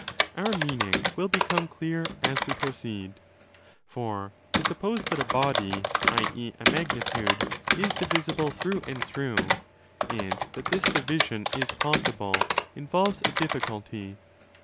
Our meaning will become clear as we proceed. For to suppose that a body (i.e. a magnitude) is divisible 15 through and through, and that this division is possible, involves a difficulty.